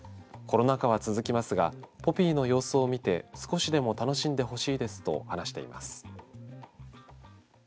コロナ禍は続きますがポピーの様子を見て少しでも楽しんでほしいですと話しています。